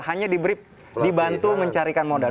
hanya dibantu mencarikan modal